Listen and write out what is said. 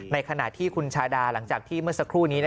ในขณะที่คุณชาดาหลังจากที่เมื่อสักครู่นี้